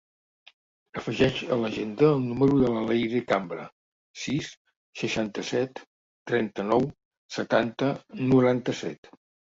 Afegeix a l'agenda el número de la Leyre Cambra: sis, seixanta-set, trenta-nou, setanta, noranta-set.